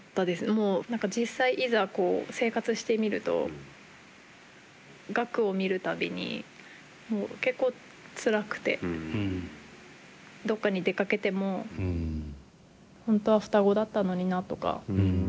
もう実際いざ生活してみるとガクを見る度にもう結構つらくてどっかに出かけても本当は双子だったのになとか。